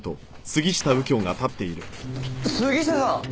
杉下さん！